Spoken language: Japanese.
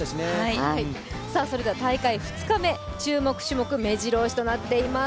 それでは大会２日目、注目種目、めじろ押しとなっています。